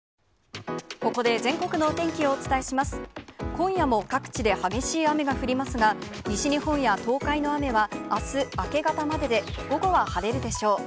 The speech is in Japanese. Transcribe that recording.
今夜も各地で激しい雨が降りますが、西日本や東海の雨は、あす明け方までで午後は晴れるでしょう。